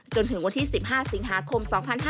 จนถึงวันที่๑๕สิงหาคม๒๕๕๙